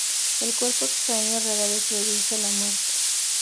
El cuerpo extraño rara vez produce la muerte.